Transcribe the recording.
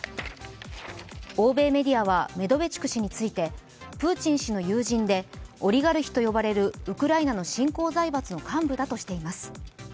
欧米メディアはメドベチュク氏について、プーチン氏の友人で、オリガルヒと呼ばれるウクライナの新興財閥の幹部だとしています。